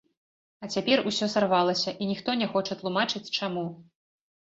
А цяпер усё сарвалася, і ніхто не хоча тлумачыць, чаму.